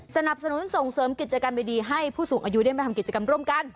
สนับสนุนส่งเสริมกิจกรรมดีให้ผู้สูงอายุได้มาทำกิจกรรมร่วมกัน